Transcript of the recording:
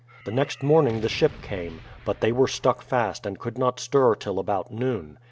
The next morning the ship came, but they were stuck fast and could not stir till about noon.